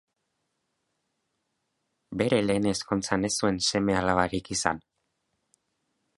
Bere lehen ezkontzan ez zuen seme-alabarik izan.